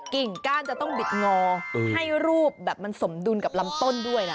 กิ่งก้านจะต้องบิดงอให้รูปแบบมันสมดุลกับลำต้นด้วยนะ